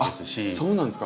そうなんですか。